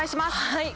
はい。